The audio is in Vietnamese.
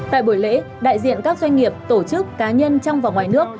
tại buổi lễ đại diện các doanh nghiệp tổ chức cá nhân trong và ngoài nước